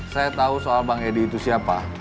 saya tahu soal bang edi itu siapa